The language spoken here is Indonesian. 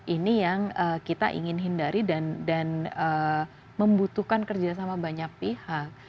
ini yang kita ingin hindari dan membutuhkan kerjasama banyak pihak